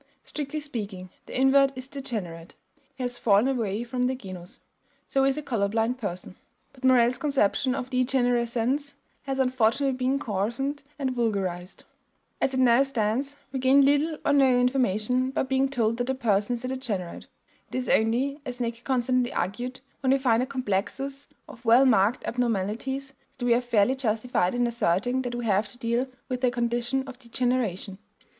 Strictly speaking, the invert is degenerate; he has fallen away from the genus. So is a color blind person. But Morel's conception of degenerescence has unfortunately been coarsened and vulgarized. As it now stands, we gain little or no information by being told that a person is a "degenerate." It is only, as Näcke constantly argued, when we find a complexus of well marked abnormalities that we are fairly justified in asserting that we have to deal with a condition of degeneration.